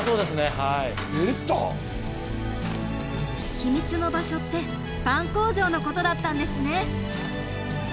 秘密の場所ってパン工場のことだったんですね。